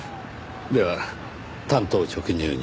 では単刀直入に。